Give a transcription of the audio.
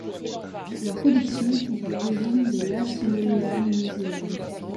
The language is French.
Leurs collections sont à l’origine de l’Ashmolean Museum.